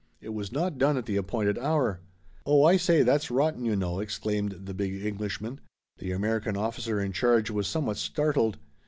It was not done at the appointed hour. "Oh, I say, that's rotten, you know!" exclaimed the big Englishman. The American officer in charge was somewhat startled.